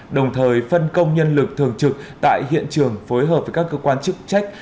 đồng thời phân công nhân lực thường trực tại hiện trường phối hợp với các cơ quan chức trách